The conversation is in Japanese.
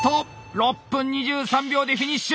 ６分２３秒でフィニッシュ。